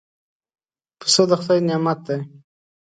پسه د خدای نعمت دی.